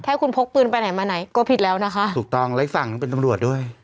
แค่คุณพกปืนไปไหนมาไหนก็ผิดแล้วนะคะถูกต้องและอีกฝั่งหนึ่งเป็นตำรวจด้วย